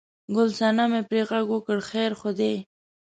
ګل صنمې پرې غږ وکړ: خیر خو دی؟